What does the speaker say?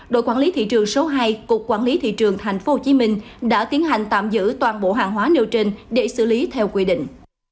đội quản lý thị trường số hai cục quản lý thị trường tp hcm đã tiến hành tạm giữ toàn bộ hàng hóa nêu trên để xử lý theo quy định